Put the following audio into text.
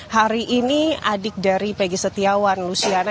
hari ini adik dari peggy setiawan luciana